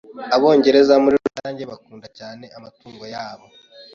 Abongereza muri rusange bakunda cyane amatungo yabo.